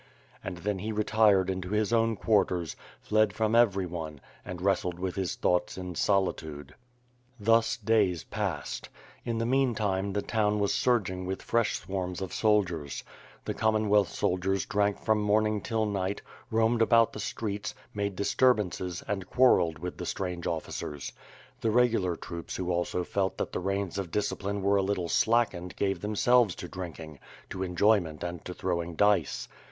And then he retired into his own quarters, fled from every one, and wrestled with his thoughts in solitude. Thus days passed. In the meantime, the town was sursring with freob ^wftnus ol spl^ie^ The Commonwealth Qoldiers WITH FIRE AND SWORD, ^n drank from morning till nighty roamed about the streets, made disturbances^ and quarrelled with the strange officers. The regular troops who also felt that the reins of discipline were a little slackened gave themselves to drinking, to enjoy ment and to throwing dice.